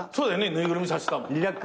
縫いぐるみ挿してたもん。